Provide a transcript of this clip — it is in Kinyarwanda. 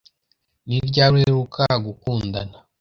Ni ryari uheruka gukundana